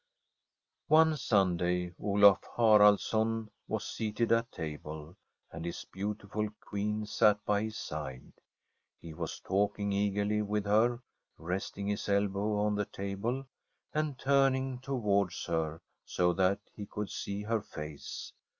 One Sunday Olaf Haraldsson was seated at table, and his beautiful Queen sat by his side. He was talking eagerly with her, resting his elbow on the table, and turning towards her, so Frm a SfTEDISH HOMESTEAD that he could see her face.